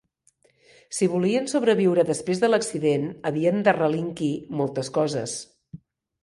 Si volien sobreviure després de l'accident havien de relinquir moltes coses.